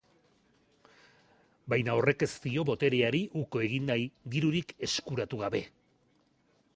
Baina horrek ez dio botereari uko egin nahi dirurik eskuratu gabe.